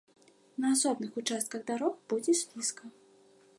На асобных участках дарог будзе слізка.